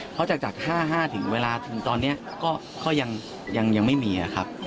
เพราะจากจากห้าห้าถึงเวลาถึงตอนเนี้ยก็ก็ยังยังยังไม่มีอ่ะครับ